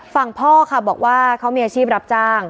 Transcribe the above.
พ่อค่ะบอกว่าเขามีอาชีพรับจ้าง